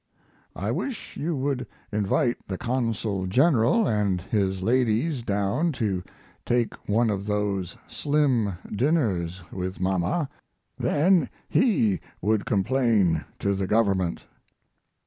I wish you would invite the Consul General and his ladies down to take one of those slim dinners with mama, then he would complain to the Government.